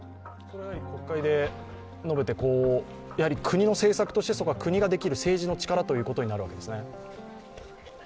国会で述べて国の政策として、国ができる政治の力ということになるわけですね。